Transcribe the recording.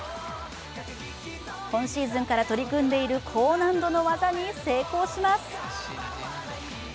今シーズンから取り組んでいる高難度の技に成功します。